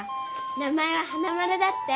名前は花丸だって。